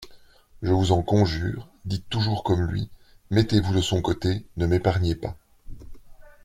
Je vous en conjure, dites toujours comme lui, mettez-vous de son côté, ne m'épargnez pas.